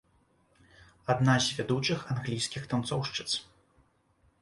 Адна з вядучых англійскіх танцоўшчыц.